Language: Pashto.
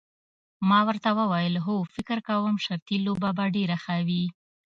ما ورته وویل هو فکر کوم شرطي لوبه به ډېره ښه وي.